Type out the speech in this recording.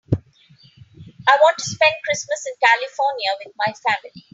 I want to spend Christmas in California with my family.